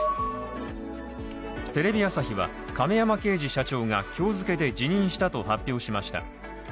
テレビ朝日は、亀山慶二社長が今日付けで辞任したと発表しました。